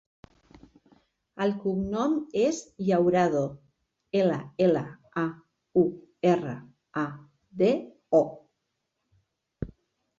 El cognom és Llaurado: ela, ela, a, u, erra, a, de, o.